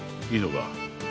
いいのか？